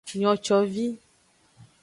Nocovi.